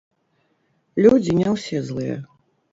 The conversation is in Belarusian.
Людзі не ўсе злыя.